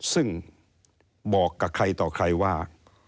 ซึ่งบอกกับใครต่อใครว่า